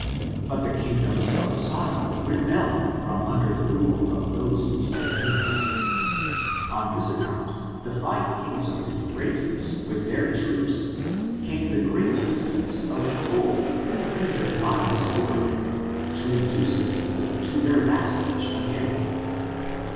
But the kingdoms of Sodom re belled from under the rule of those eastern kings. On I this accoimt, the five kings of the Euphrates, with their troops, came the great distance of full three him dred miles overland, to reduce the people to their vas salage again.